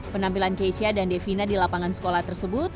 penampilan keisha dan devina di lapangan sekolah tersebut